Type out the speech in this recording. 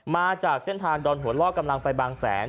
มาจากเส้นทางดอนหัวล่อกำลังไปบางแสน